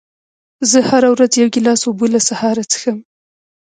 زه هره ورځ یو ګیلاس اوبه له سهاره څښم.